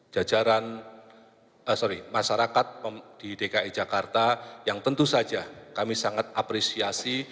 jajaran sorry masyarakat di dki jakarta yang tentu saja kami sangat apresiasi